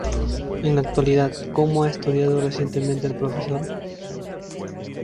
En la actualidad, como ha estudiado recientemente el Prof.